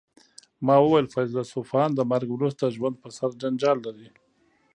ما وویل فیلسوفان د مرګ وروسته ژوند په سر جنجال لري